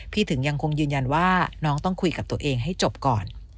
ถึงยังคงยืนยันว่าน้องต้องคุยกับตัวเองให้จบก่อน